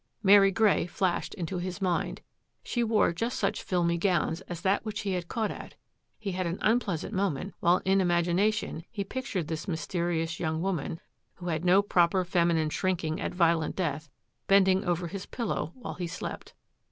'' Mary Grey flashed into his mind. She wore just such filmy gowns as that which he had caught at. He had an unpleasant moment while in im agination he pictured this mysterious young woman, who had no proper feminine shrinking at violent death, bending over his pillow while he slept.